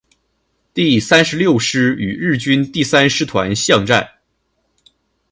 第三十六师与日军第三师团巷战。